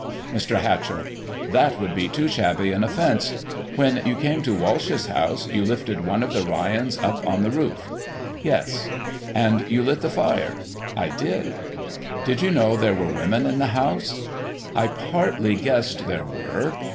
Mr. Hatchell : That would be too shabby an offence. When you came to Walsh's house, you lifted one of the Ryans up in the roof ?— Yes. And you lit the fire ?— I did. Did you know there were women in the house ?— I partly guessed there were.